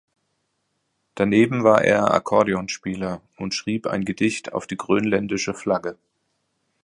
Daneben war er Akkordeonspieler und schrieb ein Gedicht auf die grönländische Flagge.